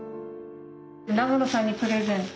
長野さんにプレゼント。